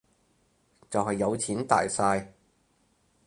就係有錢大晒